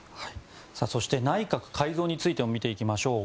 そして内閣改造についても見ていきましょう。